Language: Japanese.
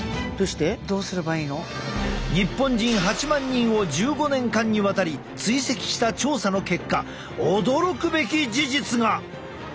日本人８万人を１５年間にわたり追跡した調査の結果驚くべき事実が！